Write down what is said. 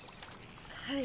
はい。